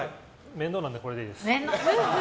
面倒なんでこれでいいです。